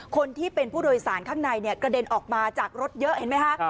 คนที่เป็นผู้โดยสารข้างในกระเด็นออกมาจากรถเยอะเห็นไหมคะ